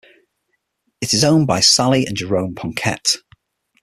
It is owned by Sally and Jerome Poncet.